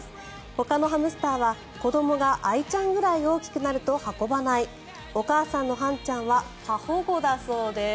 ほかのハムスターは子どもがあいちゃんぐらいに大きくなると運ばないお母さんのはんちゃんは過保護だそうです。